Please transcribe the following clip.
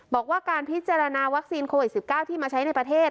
บอกว่าการพิจารณาวัคซีนโควิด๑๙ที่มาใช้ในประเทศ